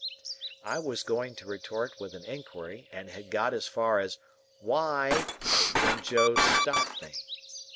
I was going to retort with an inquiry, and had got as far as "Why—" when Joe stopped me.